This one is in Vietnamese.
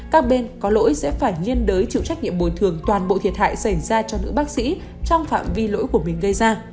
các bên có lỗi sẽ phải liên đối chịu trách nhiệm bồi thường toàn bộ thiệt hại xảy ra cho nữ bác sĩ trong phạm vi lỗi của mình gây ra